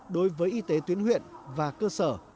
đối với y tế tuyến huyện và cơ sở